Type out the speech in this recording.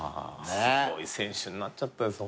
すごい選手になっちゃったです。